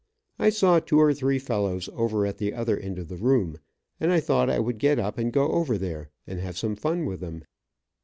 I saw two or three fellows over at the other end of the room, and I thought I would get up and go over there and have some fun with them.